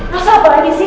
rasa apaan ini sih